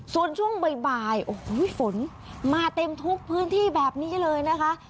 ส่วนช่วงบ่ายโอ้โหฝนมาเต็มทุกพื้นที่แบบนี้เลยนะคะ